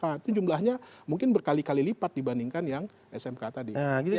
itu kali kali lipat dibandingkan yang smk tadi